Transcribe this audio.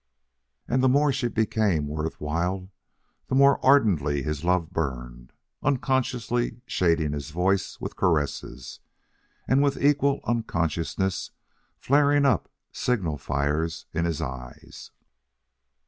And the more she became worth while, the more ardently his love burned, unconsciously shading his voice with caresses, and with equal unconsciousness flaring up signal fires in his eyes.